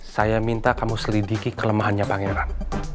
saya minta kamu selidiki kelemahannya pangeran